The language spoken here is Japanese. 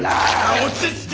落ち着け！